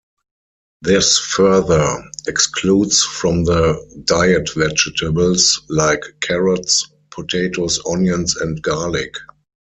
This further excludes from the diet vegetables like carrots, potatoes, onions and garlic.